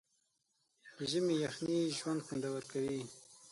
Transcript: د ژمي یخنۍ ژوند خوندور کوي.